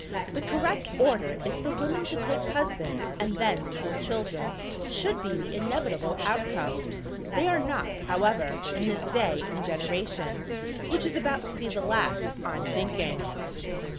"The correct order is for women to take husbands and then school children should be the inevitable outcome. They are not, however, in this day and generation, which is about to be the last, I'm thinking."